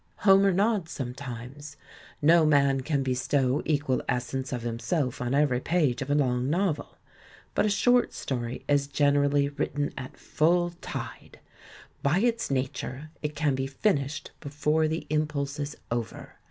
Homer nods some times. No man can bestow equal essence of him self on every page of a long novel. But a short story is generally written at full tide. By its na ture it can be finished before the impulse is over.